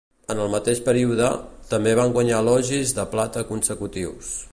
En el mateix període, també va guanyar Logies de plata consecutius.